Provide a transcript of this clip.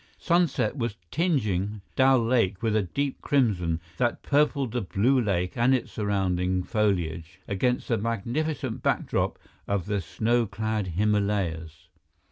Sunset was tingeing Dal Lake with a deep crimson that purpled the blue lake and its surrounding foliage against the magnificent backdrop of the snow clad Himalayas.